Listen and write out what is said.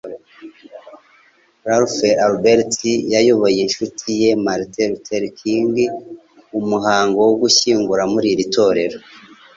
Ralph Abernathy yayoboye inshuti ye Martin Luther King Jr. umuhango wo gushyingura muri iri torero